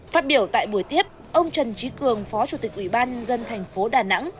phát biểu tại buổi tiếp ông trần trí cường phó chủ tịch ủy ban nhân dân thành phố đà nẵng